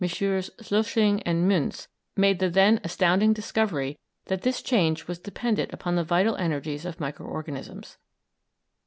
Schloesing and Muentz made the then astounding discovery that this change was dependent upon the vital energies of micro organisms.